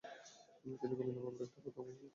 কিন্তু গবিন্দ বাবুর একটা কথা আমার মাথায় থেকে গেলো।